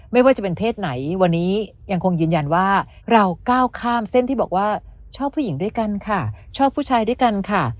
ไม่ว่าจะเป็นเพศไหนวันนี้ยังคงยืนยันว่าเราก้าวข้ามเส้นที่บอกว่าชอบผู้หญิงด้วยกันค่ะชอบผู้ชายด้วยกันค่ะ